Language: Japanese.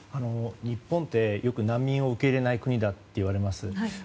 日本ってよく難民を受け入れない国だと言われます。